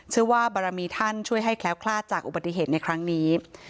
เชื่อว่าบารมีท่านช่วยให้แคล้วคลาดจากอุบัติเหตุในครั้งนี้